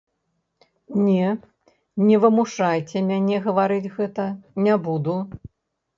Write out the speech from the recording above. Не, не вымушайце мяне гаварыць гэта, не буду.